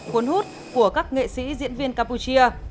cuốn hút của các nghệ sĩ diễn viên campuchia